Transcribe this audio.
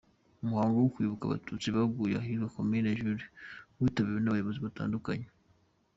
Umuhango wo kwibuka Abatutsi baguye ahitwa "komine ruje" witabiriwe n’abayobozi batandukanye.